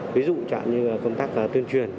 ví dụ chẳng như công tác tuyên truyền